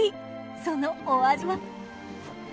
そのお味は？